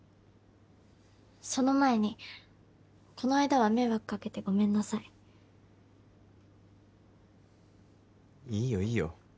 その前にこの間は迷惑かけてごめんなさいいいよいいよ